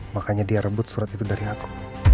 makanya dia rebut surat itu dari aku